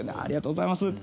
ありがとうございます。